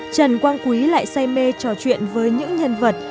trần quang quý lại say mê trò chuyện với những nhân vật